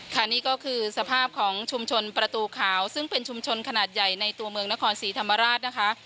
นี่ก็คือสภาพของชุมชนประตูขาวซึ่งเป็นชุมชนขนาดใหญ่ในตัวเมืองนครศรีธรรมราชนะคะ